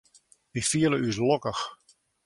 Wy fiele ús lokkich.